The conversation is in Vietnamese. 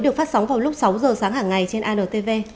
được phát sóng vào lúc sáu giờ sáng hàng ngày trên antv